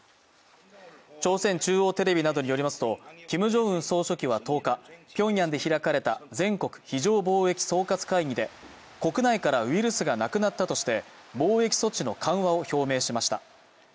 朝鮮中央テレビなどによりますとキム・ジョンウン総書記は１０日、ピョンヤンで開かれた全国非常防疫統括会議で国内からウイルスがなくなったとして防疫措置の緩和を表明しました。